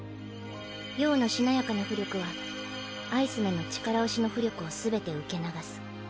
葉のしなやかな巫力はアイスメンの力押しの巫力をすべて受け流す。